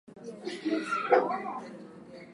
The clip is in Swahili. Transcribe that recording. Waganga ni wanajamii.